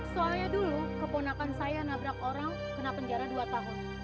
soalnya dulu keponakan saya nabrak orang kena penjara dua tahun